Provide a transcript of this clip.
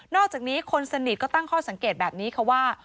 อกจากนี้คนสนิทก็ตั้งข้อสังเกตแบบนี้ค่ะว่า